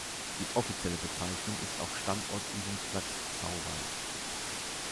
Die offizielle Bezeichnung ist auch Standortübungsplatz Sauwald.